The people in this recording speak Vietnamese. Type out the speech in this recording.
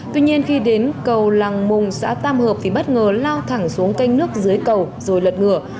tuy nhiên khi đến cầu làng mùng xã tam hợp thì bất ngờ lao thẳng xuống canh nước dưới cầu rồi lật ngửa